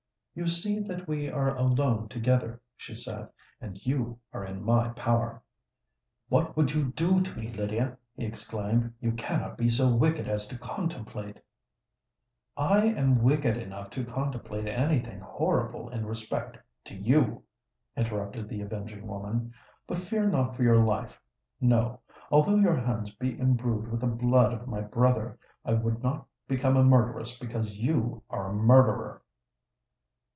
"You see that we are alone together," she said; "and you are in my power!" "What would you do to me, Lydia?" he exclaimed: "you cannot be so wicked as to contemplate——" "I am wicked enough to contemplate any thing horrible in respect to you!" interrupted the avenging woman. "But fear not for your life. No:—although your hands be imbrued with the blood of my brother, I would not become a murderess because you are a murderer."